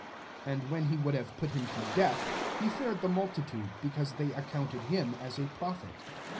5 And when he would have put him to death, he feared the multitude, be cause they accounted him as a prophet.